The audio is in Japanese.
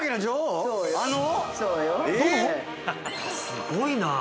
◆すごいな。